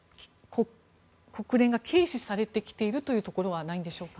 国連が軽視されてきているというところはないんでしょうか？